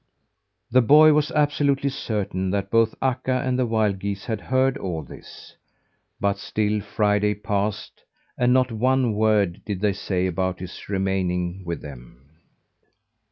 The boy was absolutely certain that both Akka and the wild geese had heard all this. But still Friday passed and not one word did they say about his remaining with them.